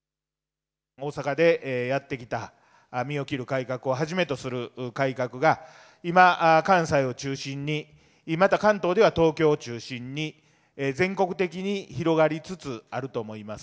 大阪でやってきた身を切る改革をはじめとする改革が今、関西を中心に、また、関東では東京を中心に、全国的に広がりつつあると思います。